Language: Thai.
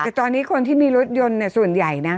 แต่ตอนนี้คนที่มีรถยนต์ส่วนใหญ่นะ